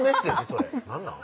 それ何なん？